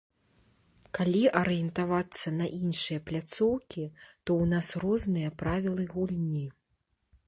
Калі арыентавацца на іншыя пляцоўкі, то ў нас розныя правілы гульні.